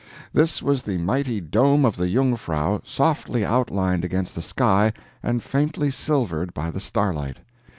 This was the mighty dome of the Jungfrau softly outlined against the sky and faintly silvered by the starlight.